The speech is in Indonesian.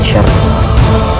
agar tidak bebas